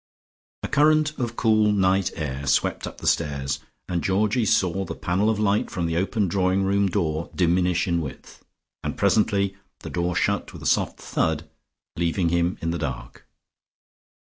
A current of cool night air swept up the stairs, and Georgie saw the panel of light from the open drawing room door diminish in width, and presently the door shut with a soft thud, leaving him in the dark.